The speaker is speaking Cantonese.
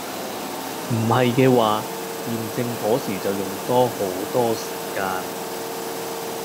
唔係嘅話驗證個時就用多好多時間